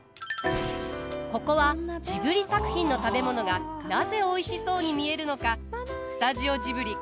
ここは、ジブリ作品の食べ物がなぜおいしそうに見えるのかスタジオジブリ